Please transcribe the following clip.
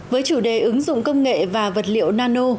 với chủ đề ứng dụng công nghệ và vật liệu nano